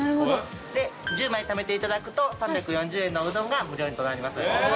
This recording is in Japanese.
で１０枚ためて頂くと３４０円のうどんが無料となります。